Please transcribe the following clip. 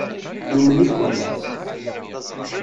Numen-iken.